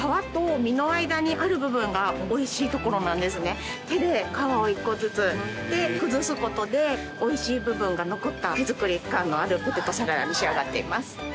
じゃがいもは手で皮を１個ずつむいて崩すことでおいしい部分が残った手作り感のあるポテトサラダに仕上がっています